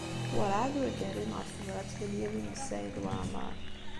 Werɛad ur d-rrin ɣef tebṛat n Lyamin n Saɛid Waɛmeṛ.